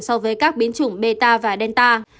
so với các biến chủng beta và delta